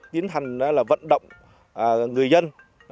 tiến hành vận động người dân